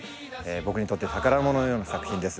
僕にとって宝物のような作品です